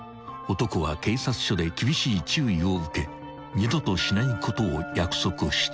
男は警察署で厳しい注意を受け二度としないことを約束した］